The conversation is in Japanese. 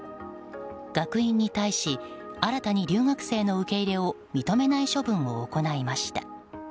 学院に対し新たに留学生の受け入れを認めない処分を行いました。